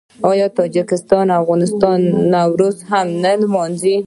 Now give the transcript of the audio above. آیا تاجکستان او افغانستان هم نوروز نه لمانځي؟